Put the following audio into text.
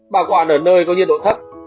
bảo quản ở nơi có nhiệt độ thấp